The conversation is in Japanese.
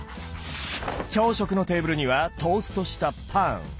朝食のテーブルにはトーストしたパン。